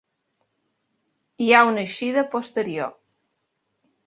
Hi ha una eixida posterior.